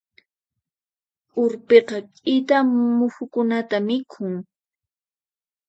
Urpiqa k'ita muhukunata mikhun.